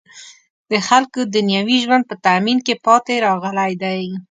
د خلکو دنیوي ژوند په تأمین کې پاتې راغلی دی.